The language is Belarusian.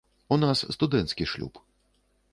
У нас студэнцкі шлюб.